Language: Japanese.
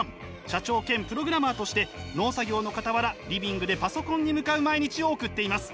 社長兼プログラマーとして農作業のかたわらリビングでパソコンに向かう毎日を送っています。